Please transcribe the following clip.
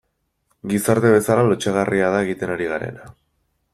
Gizarte bezala lotsagarria da egiten ari garena.